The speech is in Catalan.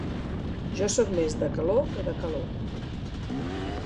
Jo soc més de calor que de calor.